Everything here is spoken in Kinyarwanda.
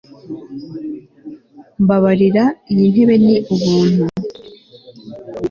Mbabarira iyi ntebe ni ubuntu